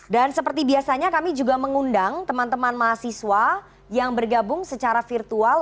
dan seperti biasanya kami juga mengundang teman teman mahasiswa yang bergabung secara virtual